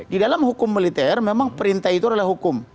di dalam hukum militer memang perintah itu adalah hukum